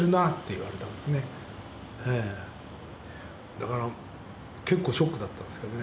だから結構ショックだったんですけどね。